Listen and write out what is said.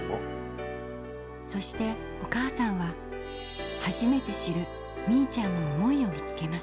そしてお母さんは初めて知るみいちゃんの思いを見つけます。